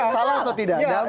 salah atau tidak